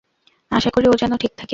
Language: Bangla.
আশা করি ও যেন ঠিক থাকে।